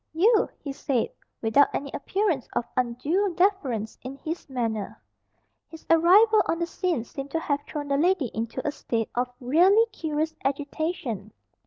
"You!" he said without any appearance of undue deference in his manner. His arrival on the scene seemed to have thrown the lady into a state of really curious agitation.